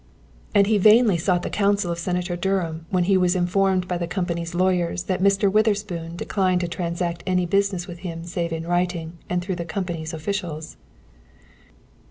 And he vainly sought counsel of Senator Dunham when he was informed by the company's lawyers that Mr. Witherspoon declined to transact any business with him save in writing, and through the company's officials.